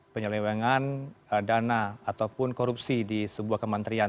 penyelewengan dana ataupun korupsi di sebuah kementerian